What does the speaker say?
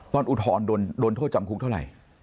อุทธรณ์โดนโทษจำคุกเท่าไหร่